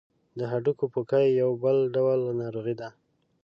د هډوکو پوکی یو بل ډول ناروغي ده.